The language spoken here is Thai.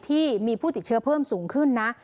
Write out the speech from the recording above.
ที่มีผู้ติดเชื้อเพิ่มสูงขึ้นนะ